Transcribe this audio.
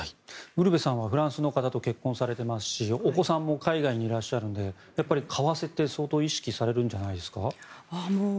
ウルヴェさんはフランスの方と結婚されていますしお子さんも海外にいらっしゃるので為替は相当意識されるんじゃないですか。